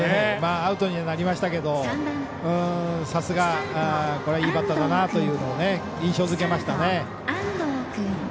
アウトにはなりましたけどさすが、これはいいバッターだなというのを印象づけましたね。